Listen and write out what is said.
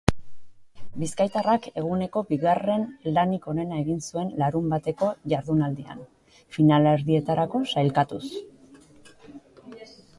Bizkaitarrak eguneko bigarren lanik onena egin zuen larunbateko jardunaldian, finalerdietarako sailkatuz.